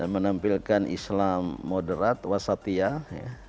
menampilkan islam moderat wasatiyah